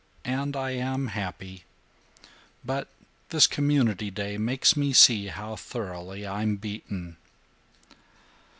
And I am happy. But this Community Day makes me see how thoroughly I'm beaten."